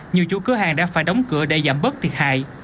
nhiều chủ cửa hàng đã phải đóng cửa để giảm bớt thiệt hại